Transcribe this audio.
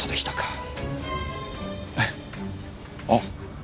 あっ！